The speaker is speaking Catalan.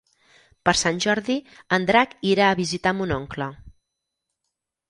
Per Sant Jordi en Drac irà a visitar mon oncle.